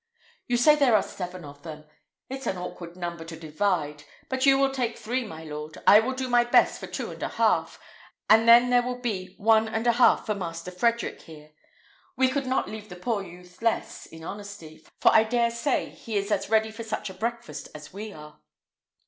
You say there are seven of them. It's an awkward number to divide; but you will take three, my lord; I will do my best for two and a half, and then there will be one and a half for Master Frederick here. We could not leave the poor youth less, in honesty; for I dare say he is as ready for such a breakfast as we are."